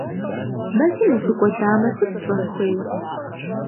Мэзым ущыкӏуэдамэ, сыт пщӏэн хуейр?